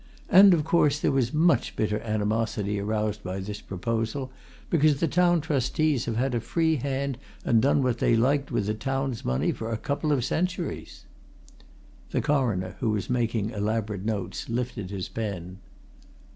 And of course there was much bitter animosity aroused by this proposal, because the Town Trustees have had a free hand and done what they liked with the town's money for a couple of centuries!" The Coroner, who was making elaborate notes, lifted his pen.